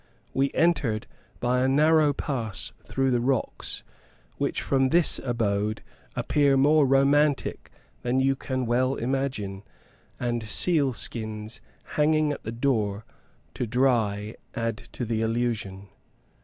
We entered by a narrow pass through the rocks, which from this abode appear more romantic than you can well imagine; and seal skins hanging at the door to dry add to the illusion.